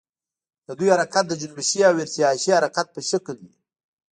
د دوی حرکت د جنبشي او ارتعاشي حرکت په شکل وي.